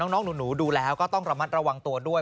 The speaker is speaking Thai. น้องหนูดูแล้วก็ต้องระมัดระวังตัวด้วย